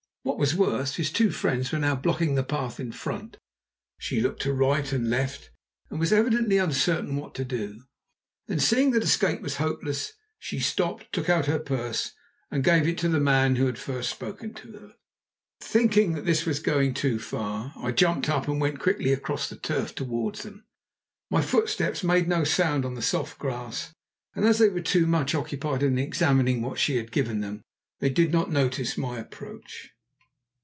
What was worse, his two friends were now blocking the path in front. She looked to right and left, and was evidently uncertain what to do. Then, seeing escape was hopeless, she stopped, took out her purse, and gave it to the man who had first spoken to her. Thinking this was going too far, I jumped up and went quickly across the turf towards them. My footsteps made no sound on the soft grass, and as they were too much occupied in examining what she had given them, they did not notice my approach.